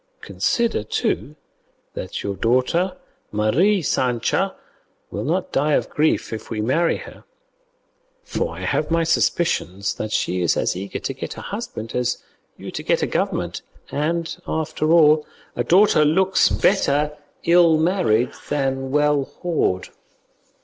Consider, too, that your daughter Mari Sancha will not die of grief if we marry her; for I have my suspicions that she is as eager to get a husband as you to get a government; and, after all, a daughter looks better ill married than well whored."